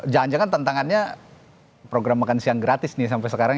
jangan jangan tantangannya program makan siang gratis nih sampai sekarang